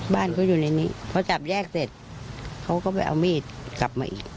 บ้านเขาอยู่ในนี้พอจับแยกเสร็จเขาก็ไปเอามีดกลับมาอีก